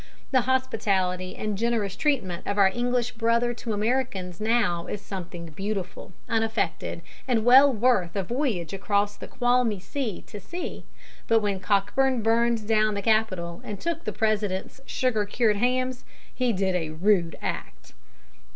The hospitality and generous treatment of our English brother to Americans now is something beautiful, unaffected, and well worth a voyage across the qualmy sea to see, but when Cockburn burned down the Capitol and took the President's sugar cured hams he did a rude act.